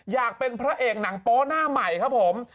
อยากเป็นพระเอกหนังโป๊หน้าใหม่ครับผม